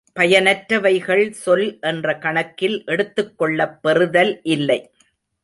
பயனற்றவைகள் சொல் என்ற கணக்கில் எடுத்துக்கொள்ளப் பெறுதல் இல்லை.